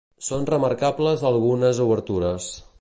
Són remarcables algunes obertures.